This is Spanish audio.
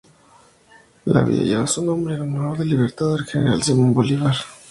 La vía lleva su nombre en honor del Libertador el general Simón Bolívar.